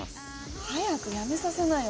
早くやめさせなよ。